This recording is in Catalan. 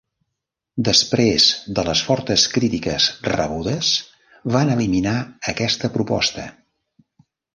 Després de les fortes crítiques rebudes, van eliminar aquesta proposta.